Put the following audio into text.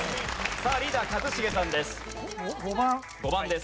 さあリーダー一茂さんです。